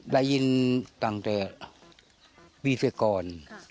ได้ยินตั้งแต่ปีเสร็จก่อน